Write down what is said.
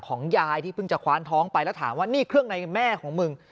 ยายที่เพิ่งจะคว้านท้องไปแล้วถามว่านี่เครื่องในแม่ของมึง